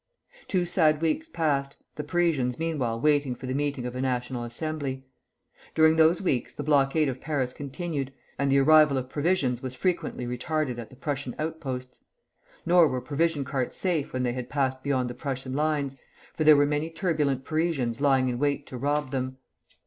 Two sad weeks passed, the Parisians meanwhile waiting for the meeting of a National Assembly. During those weeks the blockade of Paris continued, and the arrival of provisions was frequently retarded at the Prussian outposts; nor were provision carts safe when they had passed beyond the Prussian lines, for there were many turbulent Parisians lying in wait to rob them.